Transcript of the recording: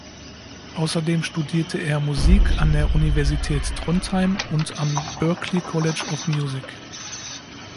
Außerdem studierte er Musik an der Universität Trondheim und am Berklee College of Music.